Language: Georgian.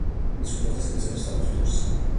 ის უკრავს და ზედმიწევნით სწავლობს ბლუზს.